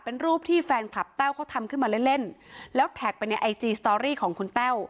เป็นรูปที่แฟนคลับแต้วเขาทำขึ้นมาเล่นเล่นแล้วแท็กไปในไอจีสตอรี่ของคุณแต้ว